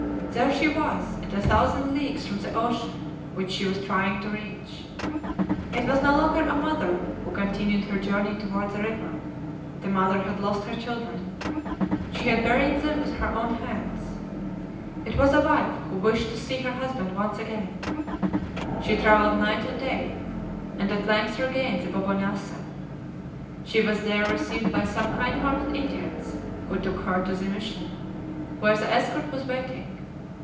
"There she was, at a thousand leagues from the ocean which she was trying to reach! It was no longer a mother who continued her journey toward the river the mother had lost her children; she had buried them with her own hands! It was a wife who wished to see her husband once again! She traveled night and day, and at length regained the Bobonasa. She was there received by some kind hearted Indians, who took her to the missions, where the escort was waiting.